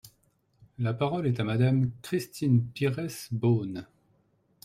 La parole est à Madame Christine Pires Beaune.